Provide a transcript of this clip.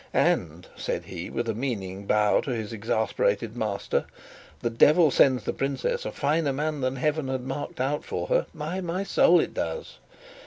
"And," said he, with a meaning bow to his exasperated master, "the devil sends the princess a finer man than heaven had marked out for her, by my soul, it does!"